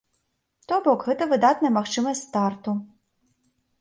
То бок гэта выдатная магчымасць старту.